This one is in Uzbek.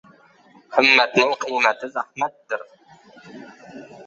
— Himmatning qiymati — zahmatdir